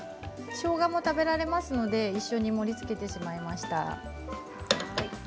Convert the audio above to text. しょうがも食べられますので一緒に盛りつけてしまいました。